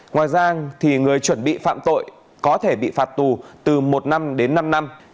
ngoài ra thì người chuẩn bị phạm tội có thể bị phạt tù từ một năm đến năm năm